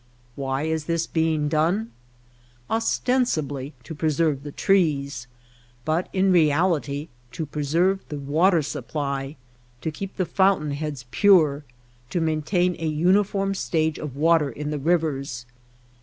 Why is this being done ? Ostensibly to preserve the trees, but in reality to preserve the water sup ply, to keep the fountain heads pure, to main tain a uniform stage of water in the rivers.